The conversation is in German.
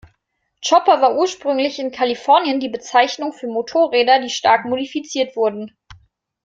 Chopper war ursprünglich in Kalifornien die Bezeichnung für Motorräder, die stark modifiziert wurden.